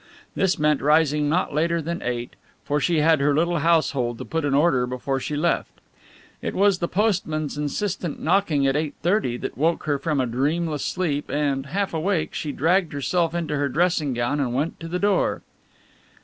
This meant rising not later than eight, for she had her little household to put in order before she left. It was the postman's insistent knocking at eight thirty that woke her from a dreamless sleep, and, half awake, she dragged herself into her dressing gown and went to the door.